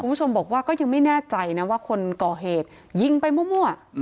คุณผู้ชมบอกว่าก็ยังไม่แน่ใจนะว่าคนก่อเหตุยิงไปมั่ว